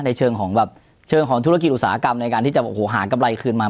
ในเชิงของธุรกิจอุตสาหกรรมในการที่จะหากำไรคืนมา